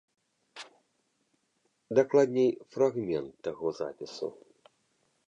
Дакладней, фрагмент таго запісу.